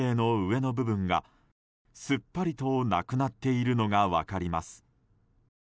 ブロック塀の上の部分がすっぱりとなくなっているのが分かります。